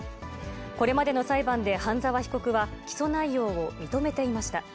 これまでの裁判で、半沢被告は起訴内容を認めていました。